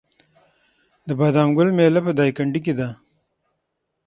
د بادام ګل میله په دایکنډي کې ده.